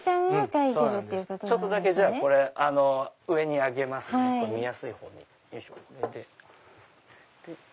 ちょっとだけこれ上に上げます見やすいほうに。